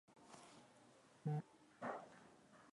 mimi nafikiri unapoanza kwenda kwenye sitini